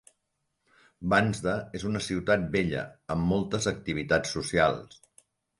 Vansda és una ciutat bella amb moltes activitats socials.